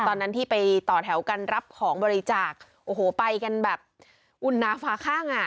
ตอนนั้นที่ไปต่อแถวกันรับของบริจาคโอ้โหไปกันแบบอุ่นน้ำฟ้าข้างอ่ะ